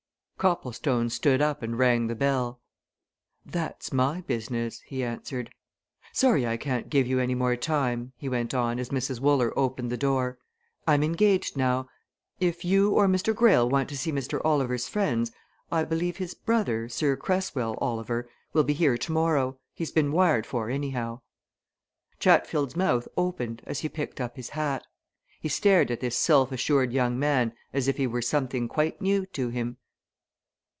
Copplestone stood up and rang the bell. "That's my business." he answered. "Sorry I can't give you any more time," he went on as Mrs. Wooler opened the door. "I'm engaged now. If you or Mr. Greyle want to see Mr. Oliver's friends I believe his brother, Sir Cresswell Oliver, will be here tomorrow he's been wired for anyhow." Chatfield's mouth opened as he picked up his hat. He stared at this self assured young man as if he were something quite new to him.